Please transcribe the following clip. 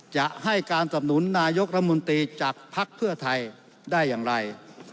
จะให้การสำนุนนายกรัฐมนตรีจากภักดิ์เพื่อไทยได้อย่างไร